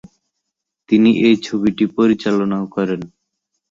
তিনি ঐ ছবিটি পরিচালনাও করেন।